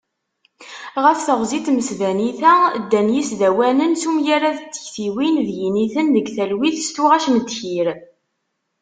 Ɣef teɣzi n tmesbanit-a, ddan yisdawanen s umgarad n tektiwin d yiniten deg talwit s tuɣac n ddkir.